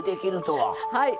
はい。